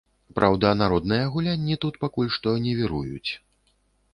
Праўда, народныя гулянні тут пакуль што не віруюць.